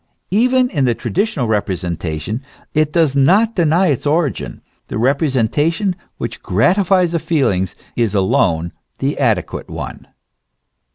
Even in the traditional representation it does not deny its origin ; the representation which gratifies the feelings is alone the ade quate one.